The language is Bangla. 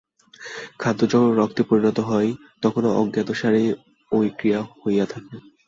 খাদ্য যখন রক্তে পরিণত হয়, তখনও অজ্ঞাতসারেই ঐ ক্রিয়া হইয়া থাকে।